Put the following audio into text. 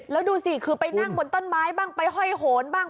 แล้วดูสิคือไปนั่งบนต้นไม้บ้างไปห้อยโหนบ้าง